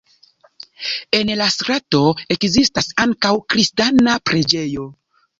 En la strato ekzistas ankaŭ kristana preĝejo.